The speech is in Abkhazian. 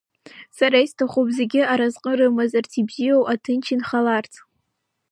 Сара исҭахуп зегьы аразҟы рымазарц, ибзиоу аҭынч инхараларц.